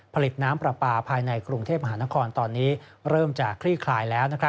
ผลิตน้ำปลาปลาภายในกรุงเทพมหานครตอนนี้เริ่มจะคลี่คลายแล้ว